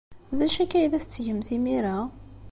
D acu akka ay la tettgemt imir-a?